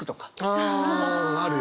あああるよね